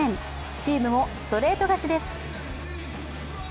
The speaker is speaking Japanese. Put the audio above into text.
チームもストレート勝ちです。